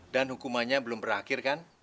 dan hukumannya belum berakhir kan